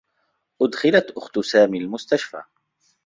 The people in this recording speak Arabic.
أُدخِلت أخت سامي المستشفى.